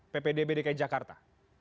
ppd bdk jakarta